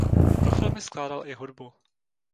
Pro filmy skládal i hudbu.